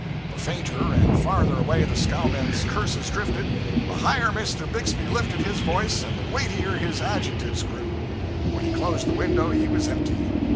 The fainter and farther away the scowmen's curses drifted, the higher Mr. Bixby lifted his voice and the weightier his adjectives grew. When he closed the window he was empty.